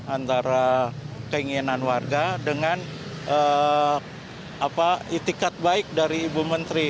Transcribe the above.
antara keinginan warga dengan itikat baik dari ibu menteri